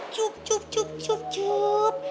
cukup cukup cukup cukup